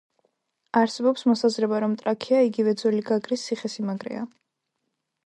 არსებობს მოსაზრება, რომ ტრაქეა იგივე ძველი გაგრის ციხესიმაგრეა.